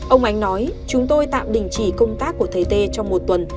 ông ánh nói chúng tôi tạm đình chỉ công tác của thầy tê trong một tuần